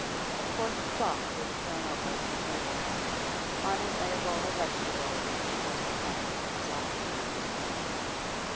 A coarse cloth was thrown over the table; on it lay a bowl of vegetables which she was preparing for the saucepan.